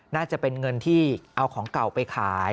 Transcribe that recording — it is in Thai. น่าจะเป็นเงินที่เอาของเก่าไปขาย